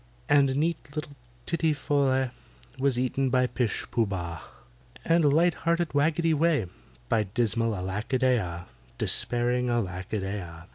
And neat little TITTY FOL LEH Was eaten by PISH POOH BAH, And light hearted WAGGETY WEH By dismal ALACK A DEY AH— Despairing ALACK A DEY AH.